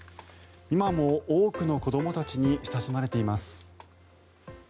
今も多くの子どもたちに親しまれています。